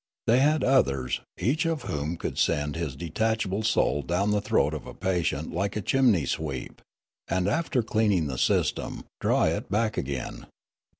They had others, each of whom could send his detachable soul down the throat of a patient like a chimney sweep, and, after cleaning the system, draw it back again.